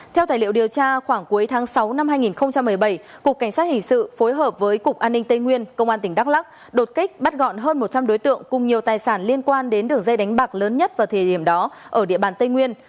theo tài liệu điều tra khoảng cuối tháng sáu năm hai nghìn một mươi bảy cục cảnh sát hình sự phối hợp với cục an ninh tây nguyên công an tỉnh đắk lắc đột kích bắt gọn hơn một trăm linh đối tượng cùng nhiều tài sản liên quan đến đường dây đánh bạc lớn nhất vào thời điểm đó ở địa bàn tây nguyên